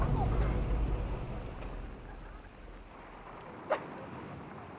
tuhan aku ingin menang